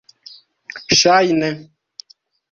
ŝajne